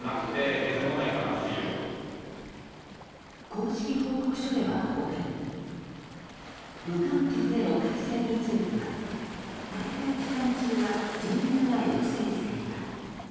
公式報告書では他に無観客での開催については大会期間中は人流が抑制された。